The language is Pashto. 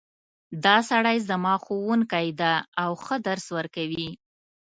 دا سړی زما ښوونکی ده او ښه درس ورکوی